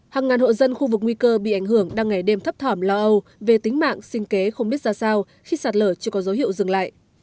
hàng ngàn hộ dân khu vực nguy cơ bị ảnh hưởng đang ngày đêm thấp thỏm lo âu về tính mạng sinh kế không biết ra sao khi sạt lở chưa có dấu hiệu dừng lại